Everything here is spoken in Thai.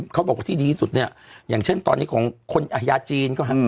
เขาบอกว่าที่ดีที่สุดเนี่ยอย่างเช่นตอนนี้ของคนยาจีนก็ฮะ